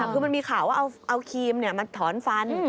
คือมันมีข่าวว่าเอาครีมมาถอนฟัน